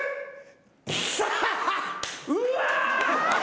うわ！